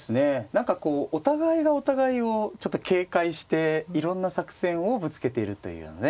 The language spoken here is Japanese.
何かこうお互いがお互いをちょっと警戒していろんな作戦をぶつけているというようなね